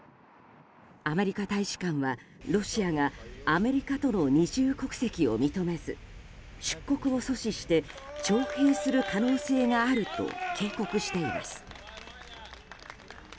アメリカ大使館は、ロシアがアメリカとの二重国籍を認めず出国を阻止して徴兵する可能性があると警告しています。